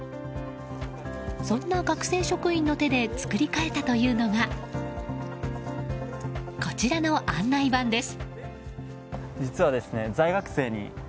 そんな学生職員の手で作り替えたというのがこちらの案内板です。